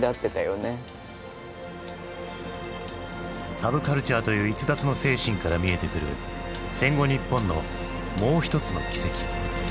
サブカルチャーという逸脱の精神から見えてくる戦後日本のもう一つの軌跡。